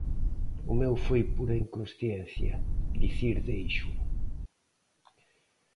O meu foi pura inconsciencia dicir "déixoo!".